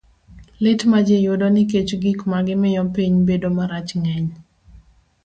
Lit ma ji yudo nikech gik ma gimiyo piny bedo marach ng'eny.